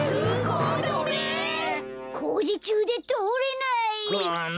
こうじちゅうでとおれない！くっ！